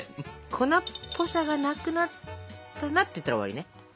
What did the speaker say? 粉っぽさがなくなったなっていったら終わりね！